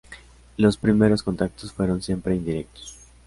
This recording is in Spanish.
Los primeros contactos fueron siempre indirectos.